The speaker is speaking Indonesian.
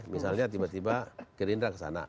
misalnya tiba tiba gerindra kesana